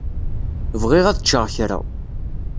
Bɣiɣ ad ččeɣ kra.